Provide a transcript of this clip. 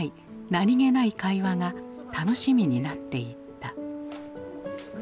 何気ない会話が楽しみになっていった。